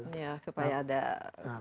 supaya ada sama rata